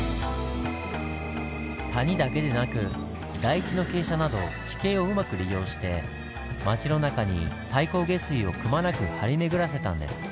谷だけでなく台地の傾斜など地形をうまく利用して町の中に太閤下水をくまなく張り巡らせたんです。